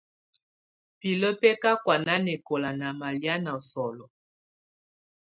Pilǝ́ bɛ̀ ka kɔ̀́á nanɛkɔla nà malɛ̀á nà solo.